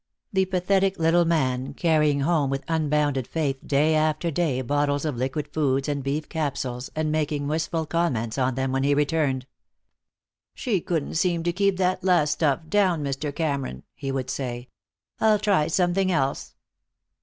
A pathetic little man, carrying home with unbounded faith day after day bottles of liquid foods and beef capsules, and making wistful comments on them when he returned. "She couldn't seem to keep that last stuff down, Mr. Cameron," he would say. "I'll try something else."